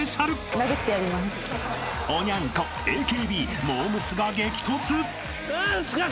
［おニャン子ＡＫＢモー娘。が激突］